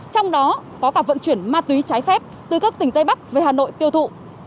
trong đó có cả vận chuyển ma túy trái phép từ các tỉnh tây bắc về hà nội tiêu thụ